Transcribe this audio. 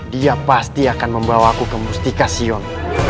dia pasti akan membawa aku ke mustikasiun